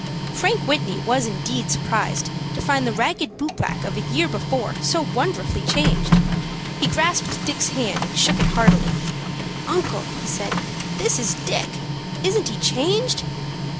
Frank Whitney was indeed surprised to find the ragged boot black of a year before so wonderfully changed. He grasped Dick's hand, and shook it heartily. "Uncle," he said, "this is Dick. Isn't he changed?"